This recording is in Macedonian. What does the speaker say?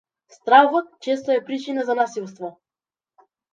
Стравот често е причина за насилство.